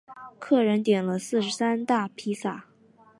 客人点了四十三大披萨